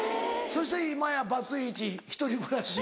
そして今やバツ１１人暮らし。